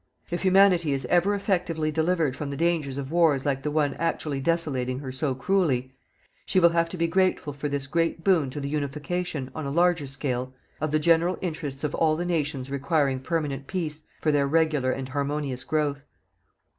If Humanity is ever effectively delivered from the dangers of wars like the one actually desolating her so cruelly, she will have to be grateful for this great boon to the unification, on a larger scale, of the general interests of all the nations requiring permanent peace for their regular and harmonious growth.